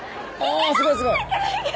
あすごいすごい。